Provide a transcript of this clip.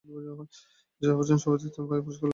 জয়া বচ্চন সর্বাধিক তিনবার এই পুরস্কার লাভ করেন।